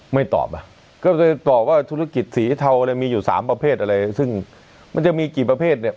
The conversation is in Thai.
ไม่ตอบอ่ะก็เลยตอบว่าธุรกิจสีเทาอะไรมีอยู่สามประเภทอะไรซึ่งมันจะมีกี่ประเภทเนี่ย